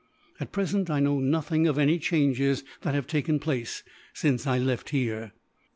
At present, I know nothing of any changes that have taken place, since I left here."